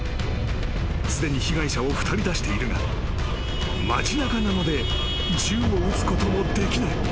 ［すでに被害者を２人出しているが町なかなので銃を撃つこともできない］